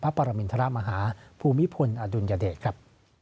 ปรมินทรมาฮาภูมิพลอดุลยเดชครับ